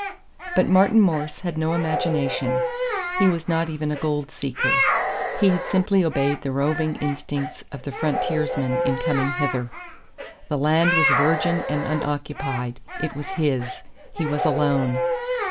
But Martin Morse had no imagination; he was not even a gold seeker; he had simply obeyed the roving instincts of the frontiersman in coming hither. The land was virgin and unoccupied; it was his; he was alone.